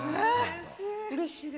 うれしい。